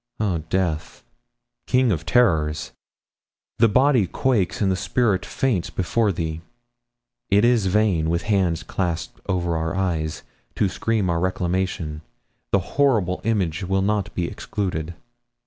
Oh, Death, king of terrors! The body quakes and the spirit faints before thee. It is vain, with hands clasped over our eyes, to scream our reclamation; the horrible image will not be excluded.